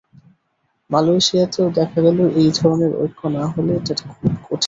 মালয়েশিয়াতেও দেখা গেল এই ধরনের ঐক্য না হলে এটা খুব কঠিন।